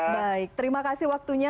baik terima kasih waktunya